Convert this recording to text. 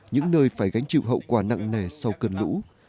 những nơi phải gánh chịu hậu quả nặng nề sau cơn lũ